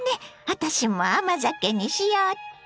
私も甘酒にしよっと！